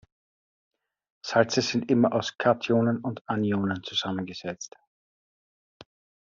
Salze sind immer aus Kationen und Anionen zusammengesetzt.